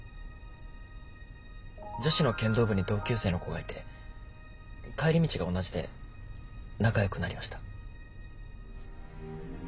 女子の剣道部に同級生の子がいて帰り道が同じで仲良くなりました。